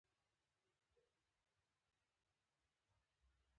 رامنځته شوې انګېزې بیا تکرار وې.